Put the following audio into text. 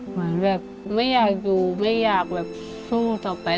เหมือนแบบไม่อยากอยู่ไม่อยากแบบสู้ต่อไป